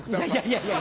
いやいや。